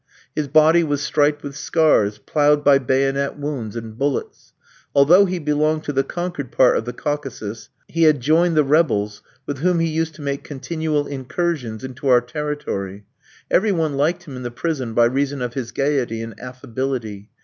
His body was striped with scars, ploughed by bayonet wounds and bullets. Although he belonged to the conquered part of the Caucasus, he had joined the rebels, with whom he used to make continual incursions into our territory. Every one liked him in the prison by reason of his gaiety and affability.